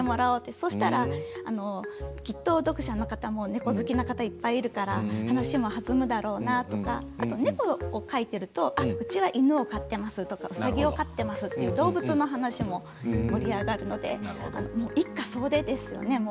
そうしたらきっと読者の方も猫好きな方いっぱいいるから話も弾むだろうなとか猫を描いてるとうちは犬を飼っていますとかうさぎを飼っていますとか動物の話も盛り上がるので一家総出ですよね